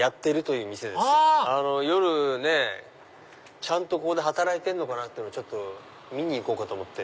夜ちゃんとここで働いてるのかなって見に行こうかと思って。